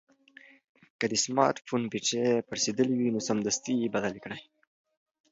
که د سمارټ فون بېټرۍ پړسېدلې وي نو سمدستي یې بدل کړئ.